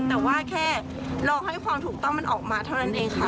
แต่ว่าแค่รอให้ความถูกต้องมันออกมาเท่านั้นเองค่ะ